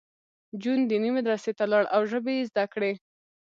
جون دیني مدرسې ته لاړ او ژبې یې زده کړې